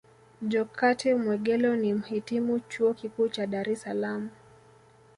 Jokate Mwegelo ni Mhitimu Chuo Kikuu cha Dar Es Salaam